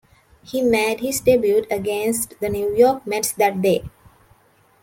He made his debut against the New York Mets that day.